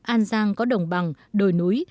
an giang có đồng bằng đồi núi